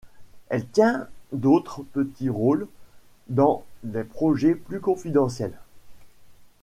Elle tient d'autres petits rôles dans des projets plus confidentiels.